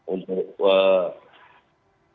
untuk mencari almarhumah